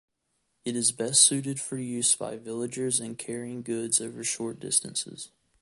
It is best suited for use by villagers in carrying goods over short distances.